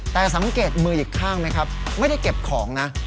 แต่สังเกตมืออีกข้างไหมครับไม่ได้เก็บของนะ